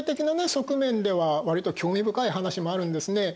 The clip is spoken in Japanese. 側面ではわりと興味深い話もあるんですね。